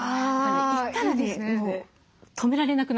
行ったらねもう止められなくなりますね。